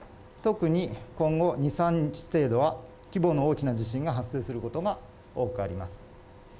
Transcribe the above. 特に今後、２、３日程度は規模の大きな地震が発生することが多くあります。